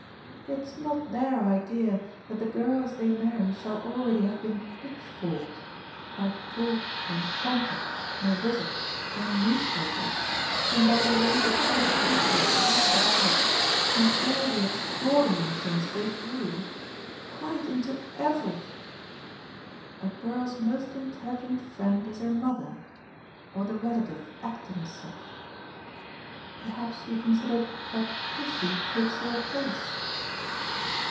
It's not their idea that the girls they marry shall already have been pitchforked by talk and contacts and visits and newspapers and by the way the poor creatures rush about and all the extraordinary things they do quite into EVERYTHING. A girl's most intelligent friend is her mother or the relative acting as such. Perhaps you consider that Tishy takes your place!"